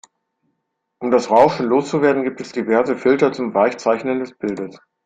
Um das Rauschen loszuwerden gibt es diverse Filter zum Weichzeichnen des Bildes.